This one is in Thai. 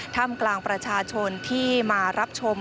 ทำกลางประชาชนที่มารับชม